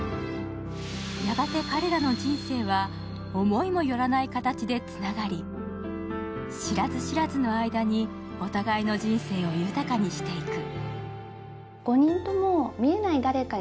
やがて彼らの人生は思いもよらない形でつながり知らず知らずの間にお互いの人生を豊かにしていく。